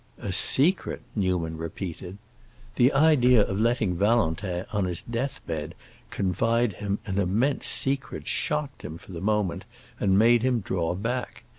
"A secret!" Newman repeated. The idea of letting Valentin, on his death bed, confide him an "immense secret" shocked him, for the moment, and made him draw back.